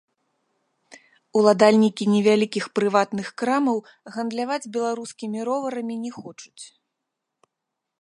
Уладальнікі невялікіх прыватных крамаў гандляваць беларускімі роварамі не хочуць.